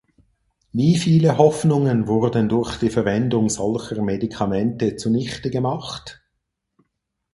Wie viele Hoffnungen wurden durch die Verwendung solcher Medikamente zunichte gemacht?